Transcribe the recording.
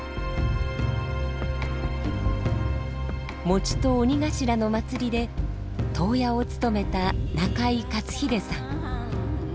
餅と鬼頭の祭りで頭屋を務めた中井勝英さん。